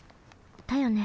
だよね